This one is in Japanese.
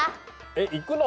えっ行くの？